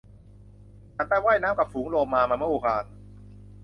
ฉันไปว่ายน้ำกับฝูงโลมามาเมื่อวาน